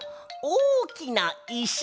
おおきないし？